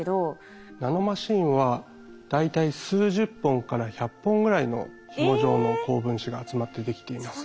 ナノマシンは大体数十本から百本ぐらいのひも状の高分子が集まってできています。